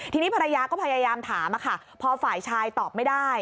ทีนี้ภรรยาก็พยายามถามค่ะพอฝ่ายชายตอบไม่ได้